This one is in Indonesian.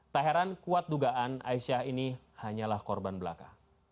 tak heran kuat dugaan aisyah ini hanyalah korban belaka